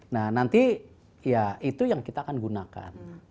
nah nanti ya itu yang kita akan gunakan